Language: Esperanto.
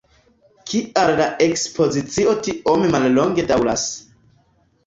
Kial la ekspozicio tiom mallonge daŭras?